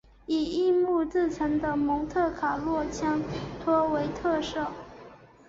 以硬木制成的蒙特卡洛枪托为特色。